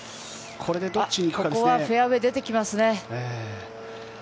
これはフェアウェー出てきますね。